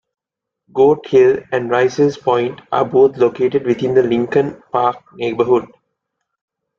Goat Hill and Rice's Point are both located within the Lincoln Park neighborhood.